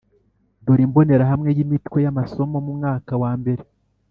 dore imbonerahamwe y’imitwe y‘amasomo mu mwaka wa mbere